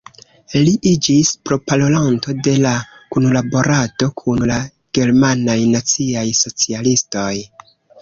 Li iĝis proparolanto de la kunlaborado kun la germanaj naciaj socialistoj.